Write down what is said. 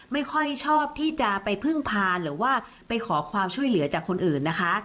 ไม่ค่อยชอบที่จะไปพึ่งพาหรือว่าไปขอความช่วยเหลือจากคนอื่นนะคะ